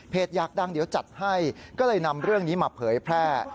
อยากดังเดี๋ยวจัดให้ก็เลยนำเรื่องนี้มาเผยแพร่